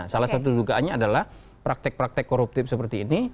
salah satu dugaannya adalah praktek praktek koruptif seperti ini